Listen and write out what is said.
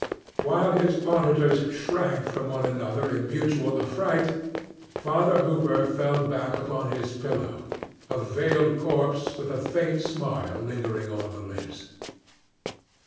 While his auditors shrank from one another in mutual affright, Father Hooper fell back upon his pillow, a veiled corpse with a faint smile lingering on the lips.